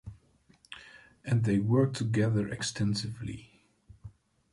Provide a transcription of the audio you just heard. And they worked together extensively.